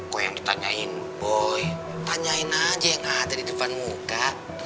kok yang ditanyain boy tanyain aja yang ada di depan muka